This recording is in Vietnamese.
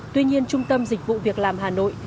tuy nhiên trung tâm dịch vụ việc làm hà nội